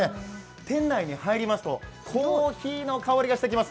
店内に入りますとコーヒーの香りがしてきます。